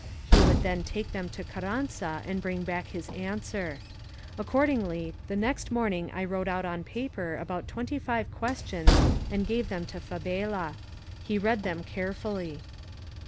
He would then take them to Carranza and bring back his answer. Ac cordingly, the next morning I wrote out on paper about twenty five questions and gave them to Fabela. He read them carefully.